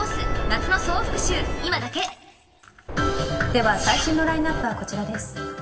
では最新のラインアップはこちらです。